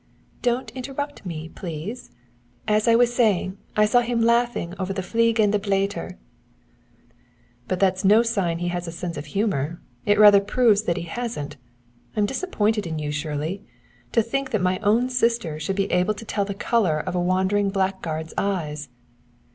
"Don't interrupt me, please. As I was saying, I saw him laughing over the Fliegende Blätter." "But that's no sign he has a sense of humor. It rather proves that he hasn't. I'm disappointed in you, Shirley. To think that my own sister should be able to tell the color of a wandering blackguard's eyes!"